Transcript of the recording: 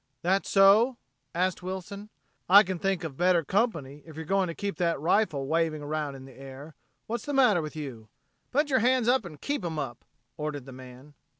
"That so?" asked Wilson. "I can think of better company if you're going to keep that rifle waving around in the air. What's the matter with you?" "Put your hands up, an' keep 'em up," ordered the man.